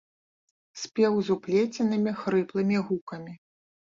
Спеў з уплеценымі хрыплымі гукамі.